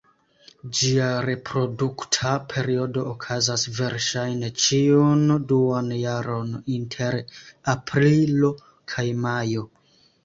Ĝia reprodukta periodo okazas verŝajne ĉiun duan jaron, inter aprilo kaj majo.